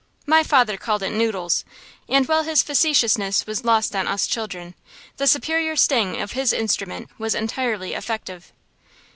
My father called it noodles; and while his facetiousness was lost on us children, the superior sting of his instrument was entirely effective.